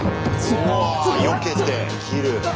うわあよけて斬る。